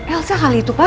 elsa kali itu pak